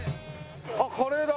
あっカレーだ！